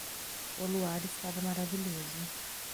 O luar estava maravilhoso.